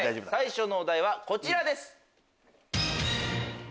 最初のお題はこちらです。